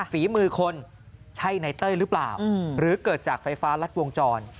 ฝีมือคนใช่ในเต้ยหรือเปล่าหรือเกิดจากไฟฟ้ารัดวงจร